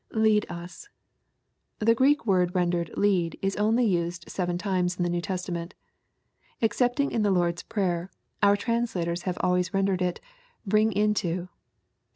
[Lead us.] The Grreek word rendered " lead" is only used seven times in the New Testament Excepting in the Lord's Prayer, our translators have always rendered it " bring into."